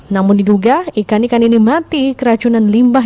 namun diduga ikan ikan ini mati keracunan limbah